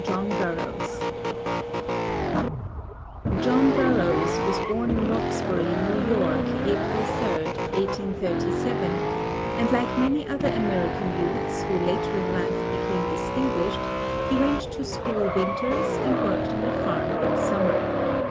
] JOHN BURROUGHS (1837 ) John Burroughs was born in Roxbury, New York, April 3d, 1837, and like many other American youths who later in life became distinguished, he went to school winters and worked on the farm in summer.